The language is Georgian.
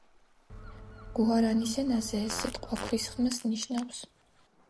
გუარანის ენაზე ეს სიტყვა „ქვის ხმას“ ნიშნავს.